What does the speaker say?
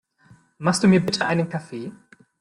Machst du mir bitte einen Kaffee?